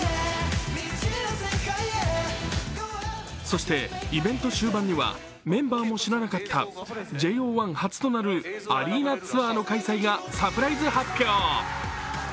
そしてイベント終盤には、メンバーも知らなかったＪＯ１初となるアリーナツアーの開催がサプライズ発表。